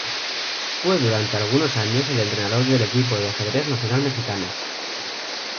Fue durante algunos años el entrenador del equipo de ajedrez nacional mexicano.